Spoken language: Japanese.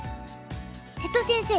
瀬戸先生